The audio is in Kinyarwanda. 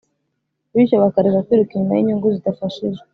bityo bakareka kwiruka inyuma y’inyungu zidafashije.